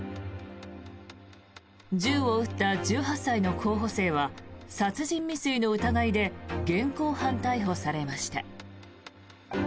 銃を撃った１８歳の候補生は殺人未遂の疑いで現行犯逮捕されました。